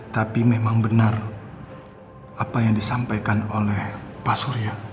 tapi memang benar apa yang disampaikan oleh pak surya